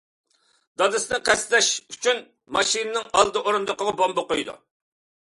دادىسىنى قەستلەش ئۈچۈن ماشىنىنىڭ ئالدى ئورۇندۇقىغا بومبا قويىدۇ.